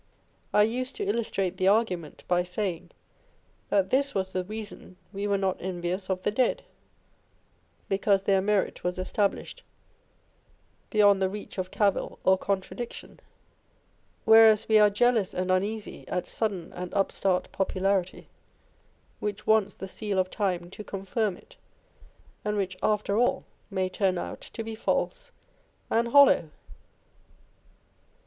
I used to illustrate the argu ment by saying, that this was the reason we were not envious of the dead, because their merit was established beyond the reach of cavil or contradiction ; whereas we are jealous and uneasy at sudden and upstart popularity, which wants the seal of time to confirm it, and which after all may turn out to be false and hollow.